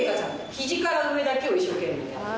肘から上だけを一生懸命やる。